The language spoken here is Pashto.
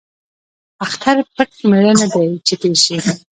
ـ اختر پټ ميړه نه دى ،چې تېر شي.